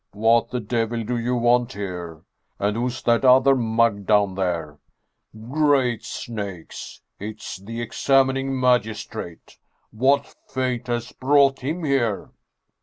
What the devil do you want here ? And who's that other mug down there ? Great snakes ! It is the examining magistrate ! What fate has brought him here